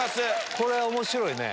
これ面白いね。